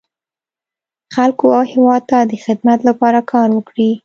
خلکو او هېواد ته د خدمت لپاره کار وکړي.